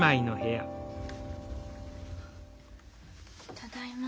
ただいま。